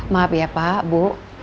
maaf ya pak bu